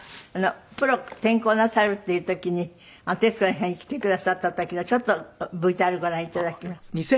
プロ転向なさるっていう時に『徹子の部屋』に来てくださった時のちょっとＶＴＲご覧いただきます。